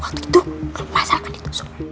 swlagenya mbak elsa ditusuk